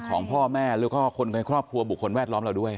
ของพ่อแม่แล้วก็คนในครอบครัวบุคคลแวดล้อมเราด้วย